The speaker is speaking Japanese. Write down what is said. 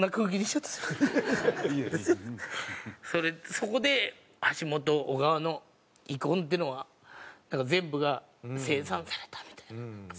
そこで橋本小川の遺恨っていうのは全部が清算されたみたいな。